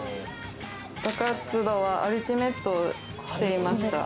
部活動はアルティメットをしていました。